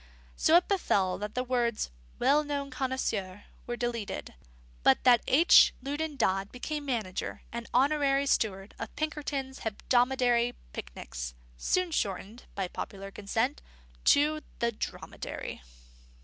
So it befell that the words "well known connoisseur" were deleted; but that H. Loudon Dodd became manager and honorary steward of Pinkerton's Hebdomadary Picnics, soon shortened, by popular consent, to the Dromedary.